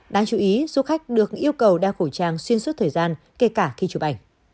đáng chú ý du khách được yêu cầu đeo khẩu trang xuyên suốt thời gian kể cả khi chụp ảnh